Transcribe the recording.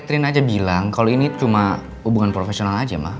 trin aja bilang kalau ini cuma hubungan profesional aja mah